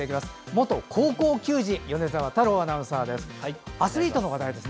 元高校球児の米澤太郎アナウンサーです。